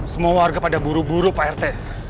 semua warga pada buru buru pak rt